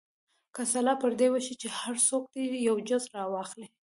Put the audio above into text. که سلا پر دې وشي چې هر څوک دې یو جز راواخلي.